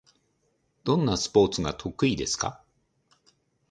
どんなスポーツが得意ですか？